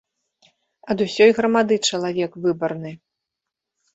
Ад усёй грамады чалавек выбарны.